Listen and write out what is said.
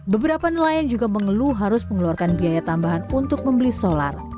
beberapa nelayan juga mengeluh harus mengeluarkan biaya tambahan untuk membeli solar